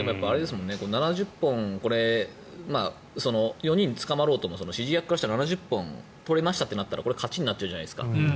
７０本４人が捕まろうとも指示役からしたら７０本取れましたとなったらこれ勝ちになるじゃないですか。